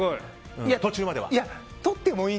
途中までは。